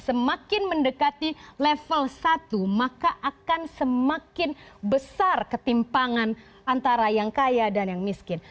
semakin mendekati level satu maka akan semakin besar ketimpangan antara yang kaya dan yang miskin